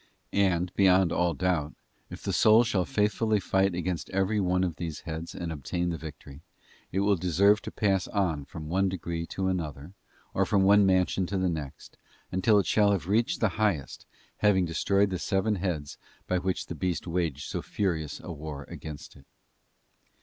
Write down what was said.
And, beyond all doubt, if the soul shall faithfully fight against every one of these heads and obtain the victory, it will deserve to pass on from one degree to another, or from one mansion to the next, until it shall have reached the highest, having destroyed the seven heads by which the beast waged so furious a war against it.